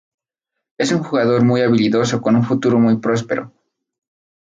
Es un jugador muy habilidoso con un futuro muy próspero.